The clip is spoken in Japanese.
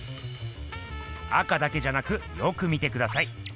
赤だけじゃなくよく見てください。